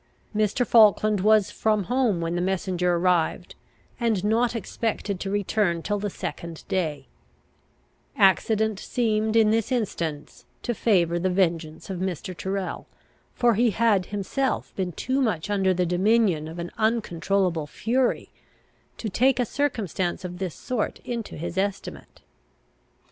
Mr. Falkland was from home when the messenger arrived, and not expected to return till the second day; accident seemed in this instance to favour the vengeance of Mr. Tyrrel, for he had himself been too much under the dominion of an uncontrollable fury, to take a circumstance of this sort into his estimate.